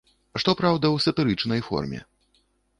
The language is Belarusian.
Што праўда, у сатырычнай форме.